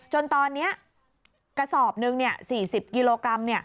จนตอนนี้กระสอบหนึ่ง๔๐กิโลกรัม